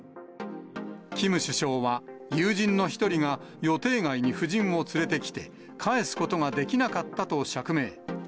キム首相は、友人の１人が予定外に夫人を連れてきて、帰すことができなかったと釈明。